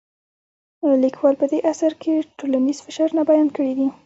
لیکوال په دې اثر کې ټولنیز فشارونه بیان کړي دي.